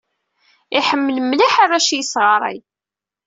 Iḥemmel mliḥ arrac i yesɣaṛay